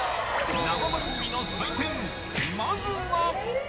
生番組の祭典、まずは。